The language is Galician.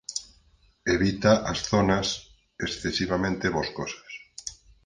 Evita as zonas excesivamente boscosas.